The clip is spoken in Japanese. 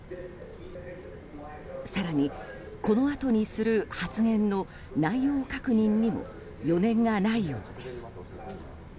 更に、この後にする発言の内容確認にも余念がないようです。